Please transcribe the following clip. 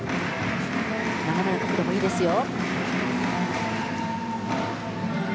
斜めの角度もいいですよ。